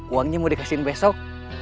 uangnya mau dikasihin besok